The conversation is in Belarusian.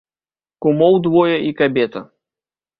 Кумоў двое і кабета.